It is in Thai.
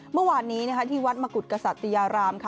เมื่อวานนี้ที่วัดมกุฎกษัตยารามค่ะ